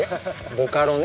ボカロね？